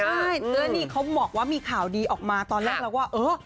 ใช่แล้วนี่เขาบอกว่ามีข่าวดีออกมาตอนแรกแล้วว่าเออ